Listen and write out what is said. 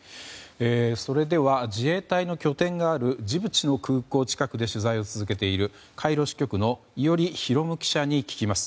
それでは自衛隊の拠点があるジブチの空港近くで取材を続けているカイロ支局の伊従啓記者に聞きます。